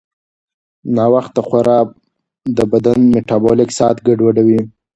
ناوخته خورا د بدن میټابولیک ساعت ګډوډوي.